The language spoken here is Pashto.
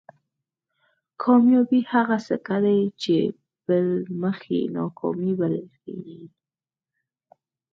کامیابي هغه سکه ده چې بل مخ یې ناکامي بلل کېږي.